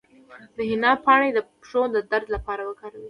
د حنا پاڼې د پښو د درد لپاره وکاروئ